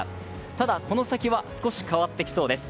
ただ、この先は少し変わってきそうです。